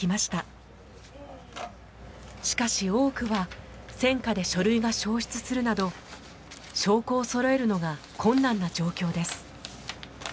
しかし多くは戦火で書類が消失するなど証拠をそろえるのが困難な状況です。